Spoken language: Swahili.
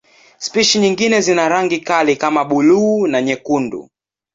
Spishi nyingine zina rangi kali kama buluu na nyekundu.